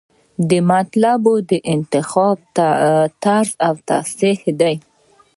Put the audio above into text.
د مطالبو د انتخاب طرز او تصحیح.